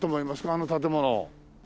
あの建物。